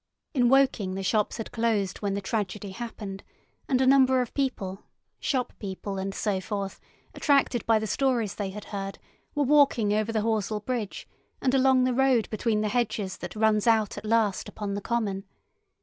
In Woking the shops had closed when the tragedy happened, and a number of people, shop people and so forth, attracted by the stories they had heard, were walking over the Horsell Bridge and along the road between the hedges that runs out at last upon the common.